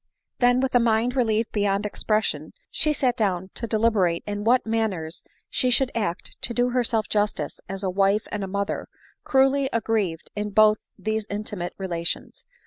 Then, with a mind relieved beyond expression, she sat down to deliberate in what manner she should act to do herself justice as a wife and a mother, cruelly aggrieved in both these intimate relations.